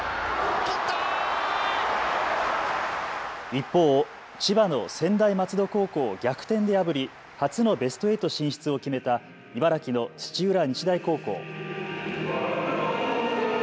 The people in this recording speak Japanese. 一方、千葉の専大松戸高校を逆転で破り初のベスト８進出を決めた茨城の土浦日大高校。